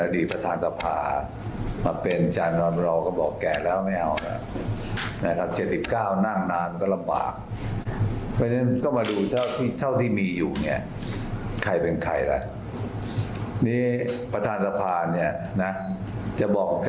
ที่ประธานสภาเนี่ยนะจะบอกแค่นุ่มแค่แก่ไม่สำคัญหรอก